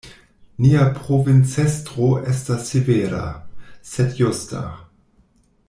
Nia provincestro estas severa, sed justa.